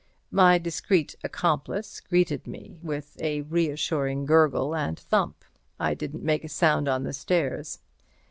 My discreet accomplice greeted me with a reassuring gurgle and thump. I didn't make a sound on the stairs.